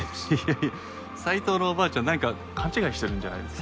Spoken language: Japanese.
いや斉藤のおばあちゃんなんか勘違いしてるんじゃないですか？